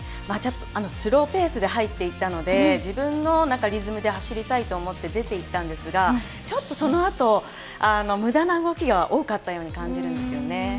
スローペースで入っていたので、自分のリズムで走りたいと思って出て行ったんですが、ちょっとそのあと、ムダな動きが多かったように感じるんですね。